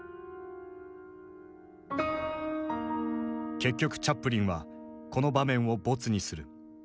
結局チャップリンはこの場面を没にする。